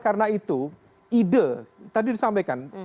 karena itu ide tadi disampaikan